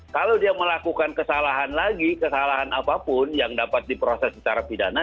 kalau dia melakukan kesalahan lagi kesalahan apapun yang dapat diproses secara pidana